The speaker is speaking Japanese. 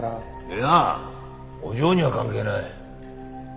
いやあお嬢には関係ない。